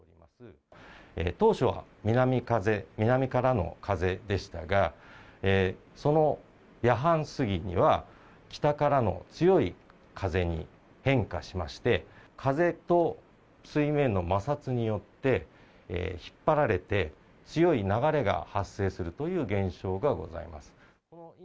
当初は南風、南からの風でしたが、その夜半過ぎには、北からの強い風に変化しまして、風と水面の摩擦によって引っ張られて、強い流れが発生するという現象がございます。